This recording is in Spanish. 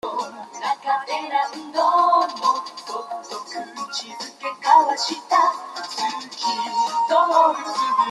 Existen algunas discrepancias en torno a lo que ocurrió a continuación.